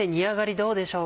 どうでしょう？